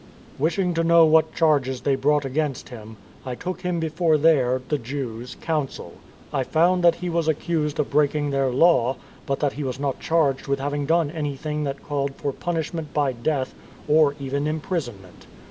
" Wishing to know what charges they brought against him, I took him before their (the Jews') council. I found that he was accused of breaking their law, but that he was not charged with having done anything that called for punishment by death or . even imprisonment.